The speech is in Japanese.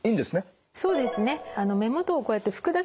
そうですね。